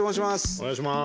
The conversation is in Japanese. お願いします。